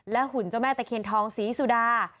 หุ่นเจ้าแม่ตะเคียนทองศรีสุดา